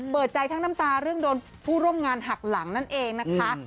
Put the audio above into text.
เปิดใจทั้งน้ำตาเรื่องโดนผู้ร่วมงานหักหลังนั่นเองนะคะ